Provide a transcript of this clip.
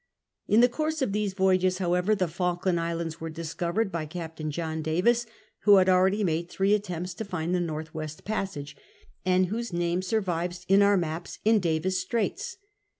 In the course of these voyages, however, the Falkland Islands Avere discovered by Captain John Davis, who had already made three attempts to find the North West passage, and whose name survives in our maps in Davis* Straits.